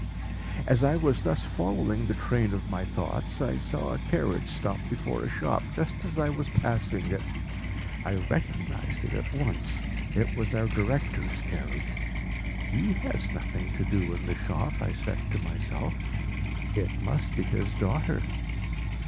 As I was thus following the train of my thoughts, I saw a carriage stop before a shop just as I was passing it. I recognised it at once; it was our director's carriage. "He has nothing to do in the shop," I said to myself; "it must be his daughter."